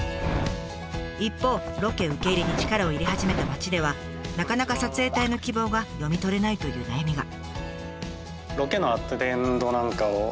一方ロケ受け入れに力を入れ始めた町ではなかなか撮影隊の希望が読み取れないという悩みが。